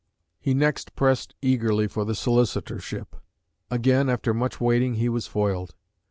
He next pressed eagerly for the Solicitorship. Again, after much waiting, he was foiled.